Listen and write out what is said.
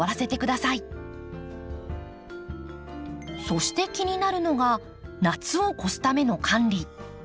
そして気になるのが夏を越すための管理。